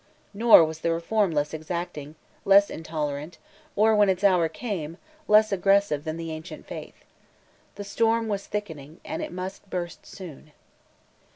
Nor was the Reform less exacting, less intolerant, or, when its hour came, less aggressive than the ancient faith. The storm was thickening, and it must burst soon.